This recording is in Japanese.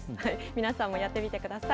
皆さんもやってみてください。